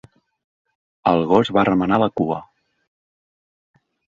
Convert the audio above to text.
El gos va remenar la cua.